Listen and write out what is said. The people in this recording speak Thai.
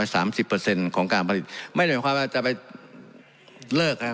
สามสิบเปอร์เซ็นต์ของการผลิตไม่ได้หมายความว่าจะไปเลิกฮะ